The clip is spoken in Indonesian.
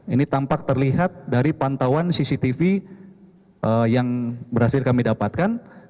ini tampak terlihat dari pantauan cctv yang berhasil kami dapatkan